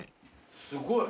すごい。